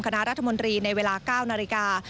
คณะรัฐมนตรีในเวลา๙นาฬิกา